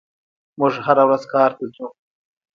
موږ هره ورځ کار ته ځو.